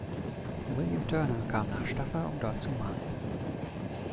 William Turner kam nach Staffa, um dort zu malen.